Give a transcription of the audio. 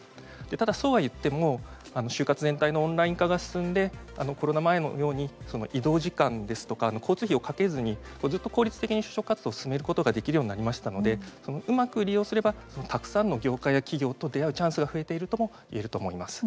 ただ、そうは言っても就活全体のオンライン化が進んでコロナ前のように移動時間ですとか交通費をかけずにずっと効率的に就職活動を進めることができるようになりましたのでうまく利用すればたくさんの業界や企業と出会うチャンスが増えているとも言えると思います。